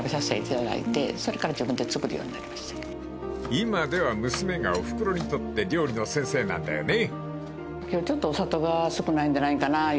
［今では娘がおふくろにとって料理の先生なんだよね］